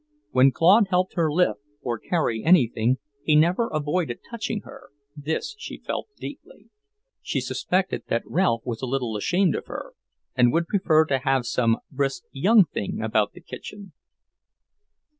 When Claude helped her lift or carry anything, he never avoided touching her, this she felt deeply. She suspected that Ralph was a little ashamed of her, and would prefer to have some brisk young thing about the kitchen.